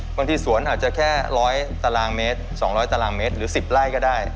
บางทีสวนอาจจะแค่๑๐๐ตารางเมตร๒๐๐ตารางเมตรหรือ๑๐ไร่ก็ได้